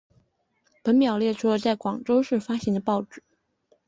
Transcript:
本表列出了在广州市发行的报纸。